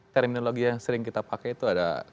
terminologi yang sering kita pakai itu ada